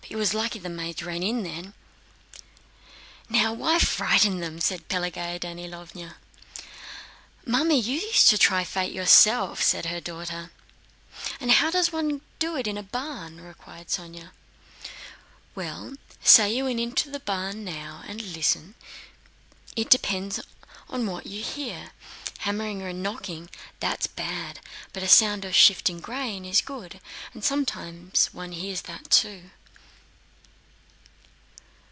It was lucky the maids ran in just then...." "Now, why frighten them?" said Pelagéya Danílovna. "Mamma, you used to try your fate yourself..." said her daughter. "And how does one do it in a barn?" inquired Sónya. "Well, say you went to the barn now, and listened. It depends on what you hear; hammering and knocking—that's bad; but a sound of shifting grain is good and one sometimes hears that, too."